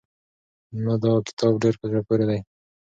نه دا کتاب ډېر په زړه پورې دی.